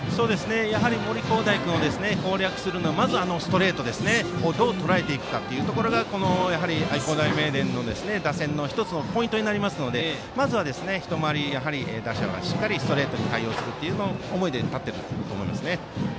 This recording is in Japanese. やはり森煌誠君を攻略するにはまずあのストレートをどうとらえていくかが愛工大名電の打線の１つのポイントになりますのでまず、一回り打者はしっかりストレートに対応するという思いで立っていると思います。